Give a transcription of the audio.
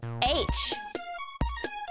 Ｈ！